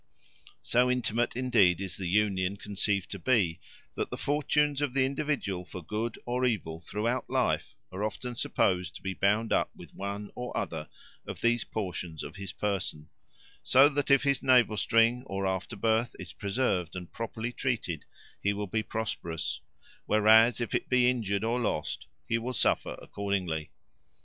So intimate, indeed, is the union conceived to be, that the fortunes of the individual for good or evil throughout life are often supposed to be bound up with one or other of these portions of his person, so that if his navel string or afterbirth is preserved and properly treated, he will be prosperous; whereas if it be injured or lost, he will suffer accordingly.